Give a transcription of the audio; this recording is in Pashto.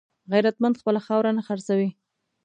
غیرتمند خپله خاوره نه خرڅوي